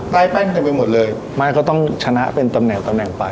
แป้งเต็มไปหมดเลยไม่ก็ต้องชนะเป็นตำแหน่งตำแหน่งไป